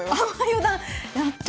やったあ！